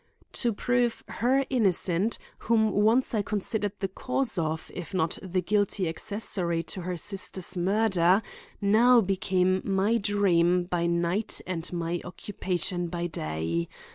To prove her innocent whom once I considered the cause of, if not the guilty accessory to her sister's murder, now became my dream by night and my occupation by day.